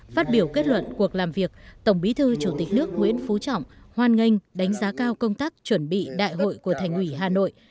phát biểu kết luận cuộc làm việc tổng bí thư chủ tịch nước nguyễn phú trọng hoan nghênh đánh giá cao công tác chuẩn bị đại hội của thành ủy hà nội